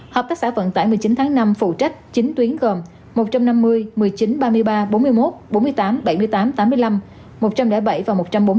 hợp tác xã vận tải một mươi chín tháng năm phụ trách chín tuyến gồm một trăm năm mươi một mươi chín ba mươi ba bốn mươi một bốn mươi tám bảy mươi tám tám mươi năm một trăm linh bảy và một trăm bốn mươi tám